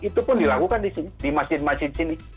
itu pun dilakukan di masjid masjid sini